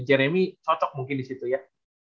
jeremy cocok mungkin disitu ya